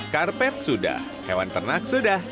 karpet sudah hewan ternak sudah